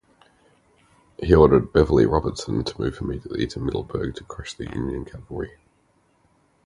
He ordered Beverly Robertson to move immediately to Middleburg to crush the Union cavalry.